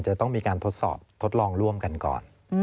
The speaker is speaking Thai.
จะต้องมีการทดสอบทดลองร่วมกันก่อน